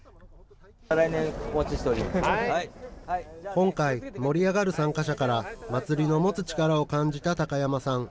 今回、盛り上がる参加者から祭りの持つ力を感じた高山さん。